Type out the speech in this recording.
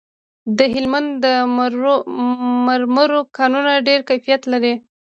د هلمند د مرمرو کانونه ډیر کیفیت لري